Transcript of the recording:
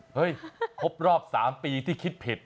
ครบรอบ๓ปีที่คิดผิด